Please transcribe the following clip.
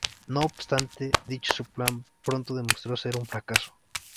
No obstante, dicho plan pronto demostró ser un fracaso.